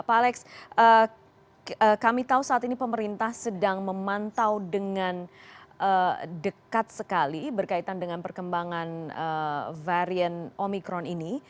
pak alex kami tahu saat ini pemerintah sedang memantau dengan dekat sekali berkaitan dengan perkembangan varian omikron ini